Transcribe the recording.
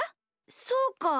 そうか。